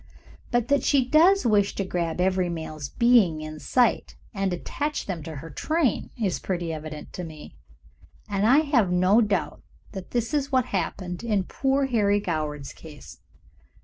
But that she does wish to grab every male being in sight, and attach them to her train, is pretty evident to me, and I have no doubt that this is what happened in poor Harry Goward's case.